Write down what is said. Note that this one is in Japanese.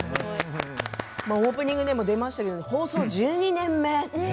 オープニングでも出ましたが、放送１２年目。